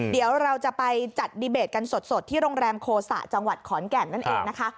เดี๋ยวเราจะไปจัดดีเบตกันสดที่โรงแรมโคสะจังหวัดขอนแก่นนั่นเองนะคะ